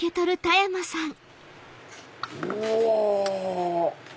うわ！